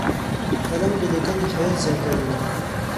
قلم د لیکنې ښایست زیاتوي